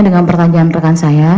dengan pertanyaan rekan saya